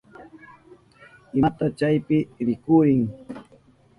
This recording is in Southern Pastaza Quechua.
¿Imata chaypi rikurin?